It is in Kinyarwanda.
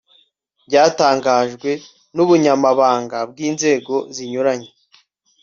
byatangajwe n'ubunyamabanga bw'inzego zinyuranye